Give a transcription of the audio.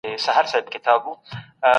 بهرني متشبثین ډیري سرچینې لري.